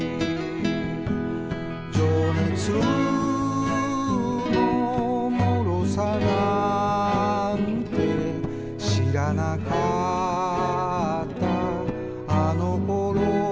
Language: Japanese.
「情熱のもろさなんて知らなかったあの頃」